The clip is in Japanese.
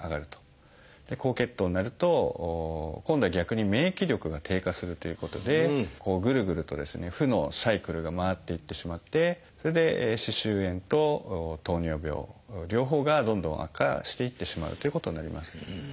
高血糖になると今度は逆に免疫力が低下するということでぐるぐるとですね負のサイクルが回っていってしまってそれで歯周炎と糖尿病両方がどんどん悪化していってしまうということになります。